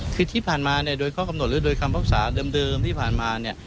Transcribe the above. คือที่ผ่านมาเนี่ยโดยข้อกำหนดหรือโดยคำพักษาเดิมที่ผ่านมาเนี่ย